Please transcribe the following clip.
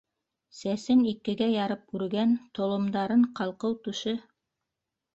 Сәсен икегә ярып үргән, толомдарын ҡалҡыу түше